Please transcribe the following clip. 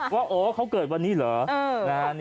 ว่าโอ้เขาเกิดวันนี้เหรอ